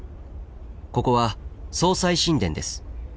ここは葬祭神殿です。